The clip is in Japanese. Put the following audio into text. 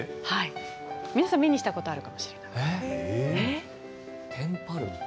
皆さん、目にしたことがあるかもしれない。